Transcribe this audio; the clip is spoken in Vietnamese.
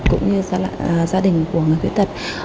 cũng như gia đình của người khuyết tật